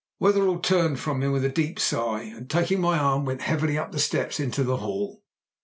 Wetherell turned from him with a deep sigh, and taking my arm went heavily up the steps into the hall.